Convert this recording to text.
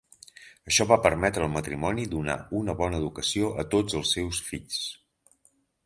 Això va permetre al matrimoni donar una bona educació a tots els seus fills.